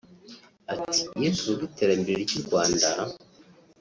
Ati ”Iyo tuvuga iterambere ry’u Rwanda